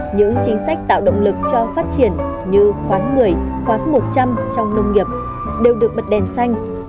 những chính sách tạo động lực cho phát triển như khoán một mươi quán một trăm linh trong nông nghiệp đều được bật đèn xanh